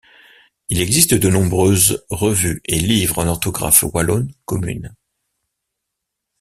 Il existe de nombreuses revues et livres en orthographe wallonne commune.